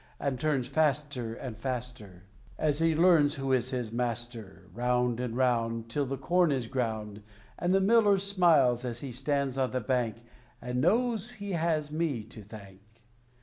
And turns faster and faster, As he learns who is master, Round and round, Till the corn is ground, And the miller smiles as he stands on the bank, And knows he has me to thank.